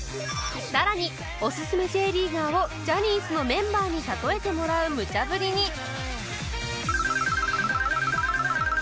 さらにおすすめ Ｊ リーガーをジャニーズのメンバーに例えてもらうむちゃ振りに